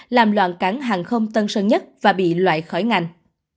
làm loạn cảng hàng không tân sơn nhất và bị loại khỏi ngành